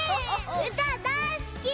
うただいすき！